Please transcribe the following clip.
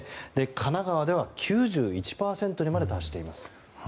神奈川では９１％にまで達しています。